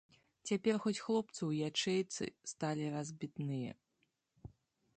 Цяпер хоць хлопцы ў ячэйцы сталі разбітныя.